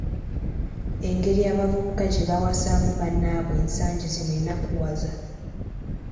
Engeri abavubuka gye bawasaamu bannaabwe ensangi zino enakuwaza.